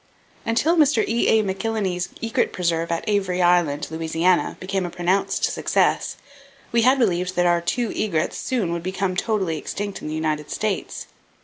Until Mr. E.A. McIlhenny's egret preserve, at Avery Island, Louisiana, became a pronounced success, we had believed that our two egrets soon would become totally extinct in the United States.